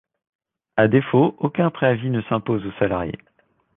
À défaut, aucun préavis ne s'impose au salarié.